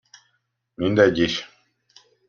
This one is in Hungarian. Mindegy is.